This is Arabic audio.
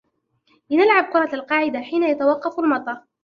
لنلعب كرة القاعدة حين يتوقف المطر.